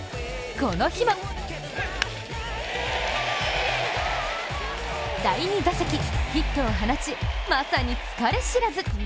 この日も第２打席、ヒットを放ちまさに疲れ知らず。